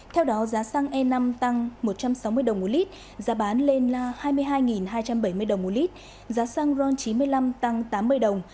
theo đó giá xăng e năm tăng một trăm sáu mươi đồng một lít giá bán lên hai mươi hai hai trăm bảy mươi đồng một lít giá xăng ron chín mươi năm tăng tám mươi đồng